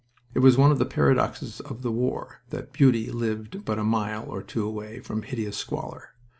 It was one of the paradoxes of the war that beauty lived but a mile or two away from hideous squalor.